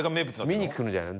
「見にくるんじゃないの？